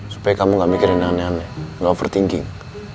supaya kamu gak mikirin aneh aneh gak over thinking